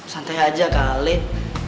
santai aja kak alin